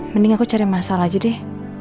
mending aku cari masalah aja deh